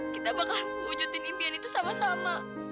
kita bakal wujudkan impian itu sama sama